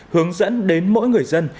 hướng dẫn đến mỗi người dân